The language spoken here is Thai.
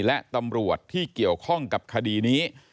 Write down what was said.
และตำรวจที่เกี่ยวข้องกับคดีนี้